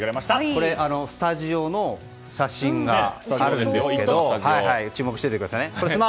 これ、スタジオの写真があるんですけど注目していてくださいね。